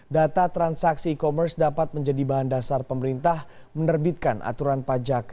data transaksi e commerce dapat menjadi bahan dasar pemerintah menerbitkan aturan pajak